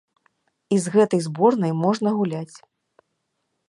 І з гэтай зборнай можна гуляць.